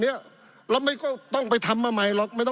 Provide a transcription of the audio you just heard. ปี๑เกณฑ์ทหารแสน๒